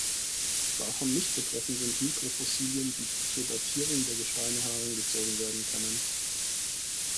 Davon nicht betroffen sind Mikrofossilien, die zur Datierung der Gesteine herangezogen werden können.